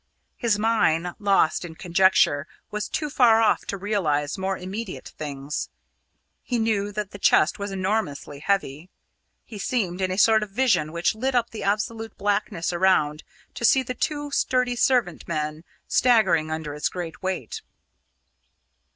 His mind, lost in conjecture, was too far off to realise more immediate things. He knew that the chest was enormously heavy. He seemed, in a sort of vision which lit up the absolute blackness around, to see the two sturdy servant men staggering under its great weight.